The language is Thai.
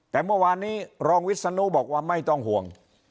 แต่เมื่อวานนี้รองวิศนุบอกว่าไม่ต้องห่วง